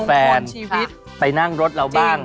เป็นมงคลชีวิตไปนั่งรถเราบ้าง